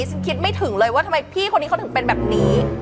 ฉันคิดไม่ถึงเลยว่าทำไมพี่คนนี้เขาถึงเป็นแบบนี้